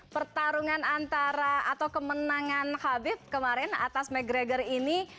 pertarungan antara atau kemenangan habib kemarin atas mcgregor ini